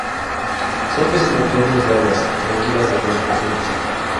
Son peces nocturnos de aguas tranquilas de ríos profundos.